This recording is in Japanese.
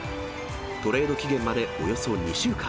トレード期限までおよそ２週間。